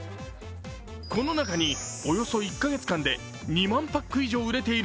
この中に、およそ１か月間で２万パック以上売れている